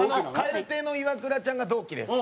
蛙亭のイワクラちゃんが同期です。